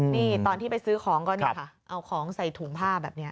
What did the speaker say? นี่ตอนที่ไปซื้อของก็นี่ค่ะเอาของใส่ถุงผ้าแบบนี้